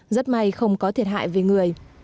rất may không có thiệt hại về người